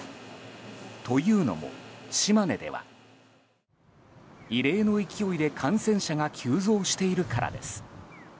というのも島根では異例の勢いで感染者が急増しているからです。